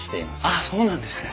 あっそうなんですね。